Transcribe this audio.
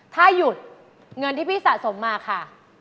ถ้าหยุดเงินที่พี่สะสมมาค่ะ